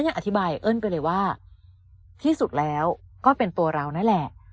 อธิบายเอิ้นไปเลยว่าที่สุดแล้วก็เป็นตัวเรานั่นแหละ